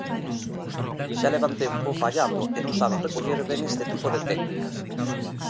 Xa levan tempo fallando e non saben recoller ben este tipo de técnicas.